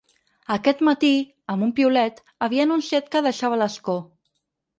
Aquest matí, amb un piulet, havia anunciat que deixava l’escó.